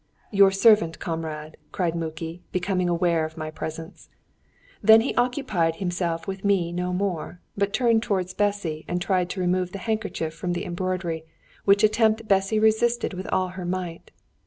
"Your servant, comrade," cried Muki, becoming aware of my presence. Then he occupied himself with me no more, but turned towards Bessy and tried to remove the handkerchief from the embroidery, which attempt Bessy resisted with all her might.